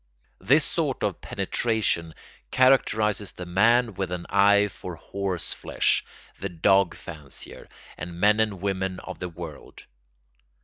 This sort of penetration characterises the man with an eye for horse flesh, the dog fancier, and men and women of the world.